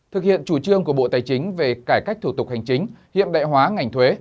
thực hiện chủ trương của bộ tài chính về cải cách thủ tục hành chính hiện đại hóa ngành thuế